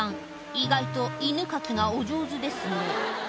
意外と犬かきがお上手ですね